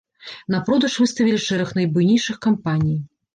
На продаж выставілі шэраг найбуйнейшых кампаній.